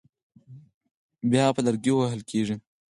بیا هغه په لرګي وهل کېږي.